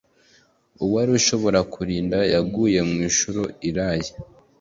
Uwa Rushobora kulinda yaguye mu nshuro iraye;